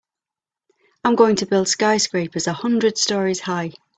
I'm going to build skyscrapers a hundred stories high.